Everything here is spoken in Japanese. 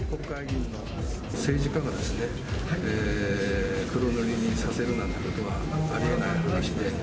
政治家が黒塗りにさせるなんてことはありえない話で。